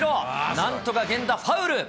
なんとか源田、ファウル。